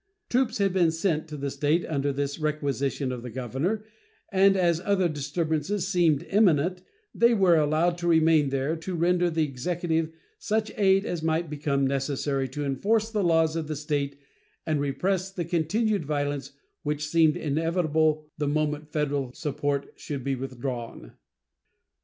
Troops had been sent to the State under this requisition of the governor, and as other disturbances seemed imminent they were allowed to remain there to render the executive such aid as might become necessary to enforce the laws of the State and repress the continued violence which seemed inevitable the moment Federal support should be withdrawn.